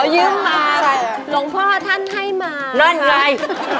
ยืมมาหลวงพ่อท่านให้มานั่นไง